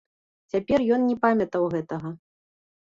Цяпер ён не памятаў гэтага.